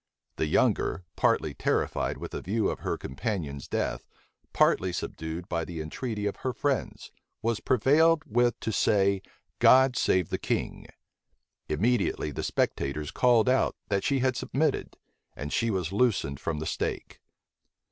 The younger, partly terrified with the view of her companion's death, partly subdued by the entreaty of her friends, was prevailed with to say, "God save the king." Immediately the spectators called out, that she had submitted; and she was loosened from the stake.